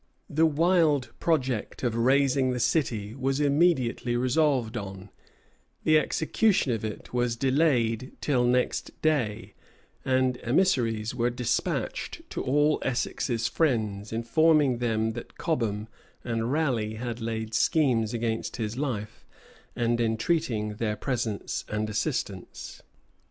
The wild project of raising the city was immediately resolved on; the execution of it was decayed till next day; and emissaries were despatched to all Essex's friends, informing them that Cobham and Raleigh had laid schemes against his life, and entreating their presence and assistance.